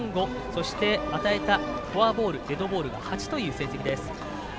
そして、与えたフォアボールデッドボール８という成績です。